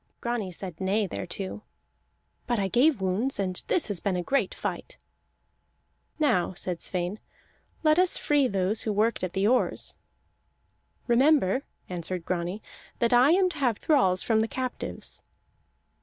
Grani said nay thereto. "But I gave wounds, and this has been a great fight." "Now," said Sweyn, "let us free those who worked at the oars." "Remember," answered Grani, "that I am to have thralls from the captives."